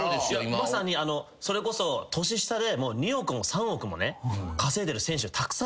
まさにそれこそ年下で２億も３億もね稼いでる選手たくさんいましたよ。